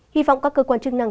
hy vọng các cơ quan chức năng